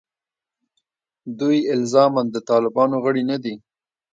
دوی الزاماً د طالبانو غړي نه دي.